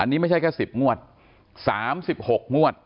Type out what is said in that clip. นี่ไม่ใช่แค่๑๐งวด๓๖งวด